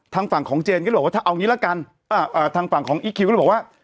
ทางฝั่งของเจนก็บอกว่าเอาอย่างงี้ล่ะกันอ่าอ่าทางฝั่งของอีกคิวก็บอกว่า